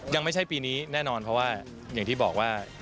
ยังไม่ใช่ปีนี้แน่นอนเพราะว่าอย่างที่บอกว่า